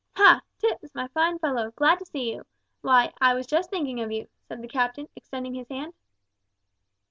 "Ha! Tipps, my fine fellow, glad to see you; why, I was just thinking of you," said the captain, extending his hand.